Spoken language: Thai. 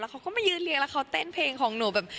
เขาก็มายืนเลี้ยแล้วเขาเต้นเพลงของหนูแบบ